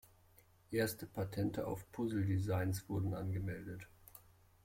Erste Patente auf Puzzle-Designs wurden angemeldet.